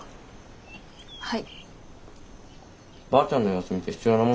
はい。